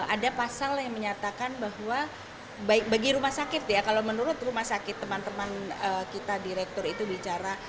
ada pasal yang menyatakan bahwa bagi rumah sakit ya kalau menurut rumah sakit teman teman kita direktur itu bicara